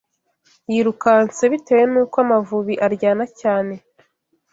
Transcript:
Yirukanse bitewe n’uko amavubi aryana cyane